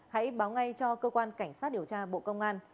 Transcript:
hãy báo ngay cho cơ quan cảnh sát điều tra bộ công an